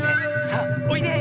さあおいで！